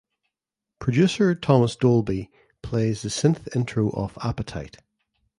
Producer Thomas Dolby plays the synth intro of "Appetite".